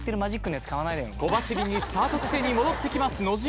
小走りにスタート地点に戻ってきます野島。